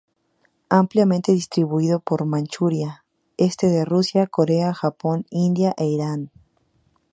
Ampliamente distribuido por Manchuria, este de Rusia, Corea, Japón, India e Irán.